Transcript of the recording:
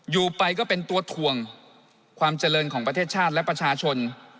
อยู่ไปก็เป็นตัวถ่วงความเจริญของประเทศชาติและประชาชน